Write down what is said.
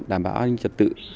đảm bảo an ninh trật tự